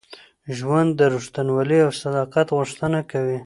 ژوند د رښتینولۍ او صداقت غوښتنه کوي.